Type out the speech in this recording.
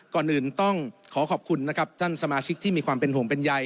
ก่อนอื่นต้องขอขอบคุณนะครับท่านสมาชิกที่มีความเป็นห่วงเป็นใย